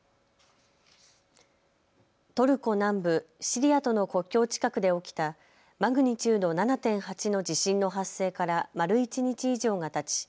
トルコ南部シリアとの国境近くで起きたマグニチュード７．８の地震の発生から丸一日以上がたち